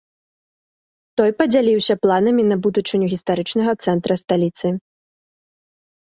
Той падзяліўся планамі на будучыню гістарычнага цэнтра сталіцы.